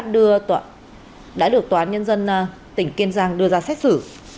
đã được tòa án nhân dân tỉnh kiên giang đưa ra xét xử